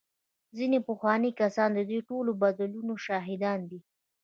ځینې پخواني کسان د دې ټولو بدلونونو شاهدان دي.